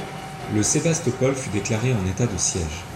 Le Sébastopol fut déclarée en état de siège.